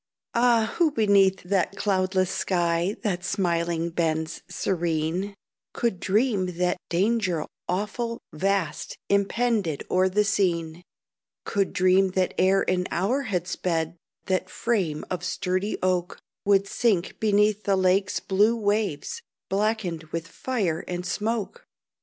Ah, who beneath that cloudless sky, That smiling bends serene, Could dream that danger awful, vast, Impended o'er the scene, Could dream that ere an hour had sped That frame of sturdy oak Would sink beneath the lake's blue waves, Blackened with fire and smoke?